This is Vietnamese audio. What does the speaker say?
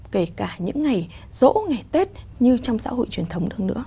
kể cả những ngày rỗ ngày tết như trong xã hội truyền thống hơn nữa